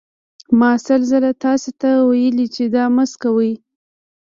ما سل ځله تاسې ته ویلي چې دا مه څکوئ.